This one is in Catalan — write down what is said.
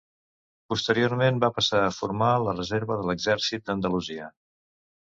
Posteriorment va passar a formar la reserva de l'Exèrcit d'Andalusia.